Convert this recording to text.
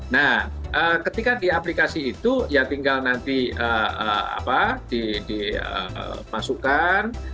nah ketika di aplikasi itu ya tinggal nanti dimasukkan